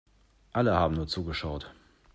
Alle haben nur zugeschaut.